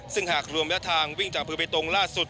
ซึ่งหากรวมแล้วทางวิ่งจากอำเภอเบตรงล่าสุด